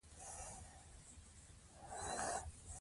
په پښتو کې تر څلور څپه ایزه ګړې شته.